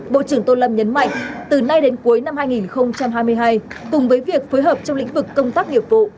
bộ trưởng tô lâm nhấn mạnh từ nay đến cuối năm hai nghìn hai mươi hai cùng với việc phối hợp trong lĩnh vực công tác nghiệp vụ